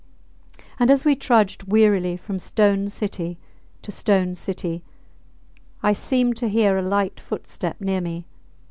And as we trudged wearily from stone city to stone city I seemed to hear a light footstep near me.